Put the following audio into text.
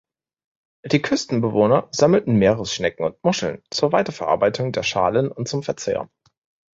Die Küstenbewohner sammelten Meeresschnecken und Muscheln zur Weiterverarbeitung der Schalen und zum Verzehr.